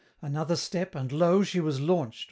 Another step, and lo! she was launched!